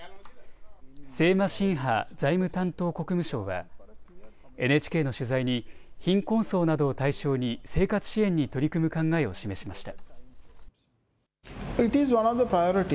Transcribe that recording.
セーマシンハ財務担当国務相はＮＨＫの取材に貧困層などを対象に生活支援に取り組む考えを示しました。